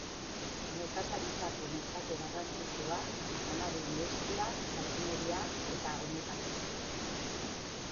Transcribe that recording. Nekazaritzako merkatu garrantzitsua; janari industria, makineria eta oinetakoak.